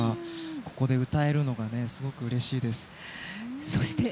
ここで歌えるのがすごくうれしいです。